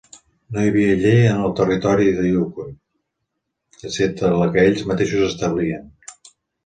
No hi havia llei en el territori del Yukon, excepte la que ells mateixos establien.